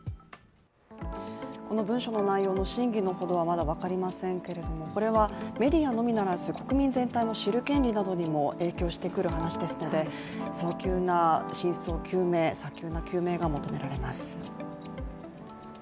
この文書の内容の真偽の程はまだ分かりませんけれども、これはメディアのみならず国民全体の知る権利などにも影響してくる話ですので早急な真相究明早急な究明が求められます。